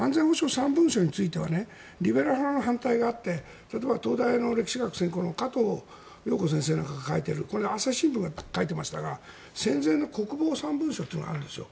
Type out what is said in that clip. ３文書についてはリベラル派の反対があって例えば、東大の歴史学専攻の加藤陽子先生が書いている朝日新聞が書いていましたが戦前の国防３文書というのがあるんですよ。